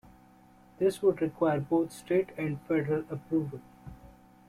This would require both state and federal approval.